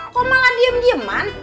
kok malah diem dieman